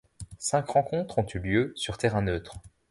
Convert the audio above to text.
Cinq rencontres ont eu lieu sur terrain neutre.